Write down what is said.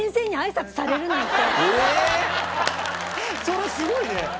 それすごいね。